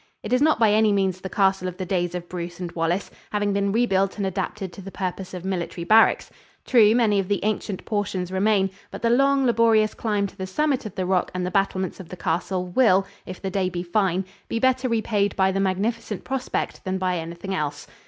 It is not by any means the castle of the days of Bruce and Wallace, having been rebuilt and adapted to the purpose of military barracks. True, many of the ancient portions remain, but the long, laborious climb to the summit of the rock and the battlements of the castle will, if the day be fine, be better repaid by the magnificent prospect than by anything else.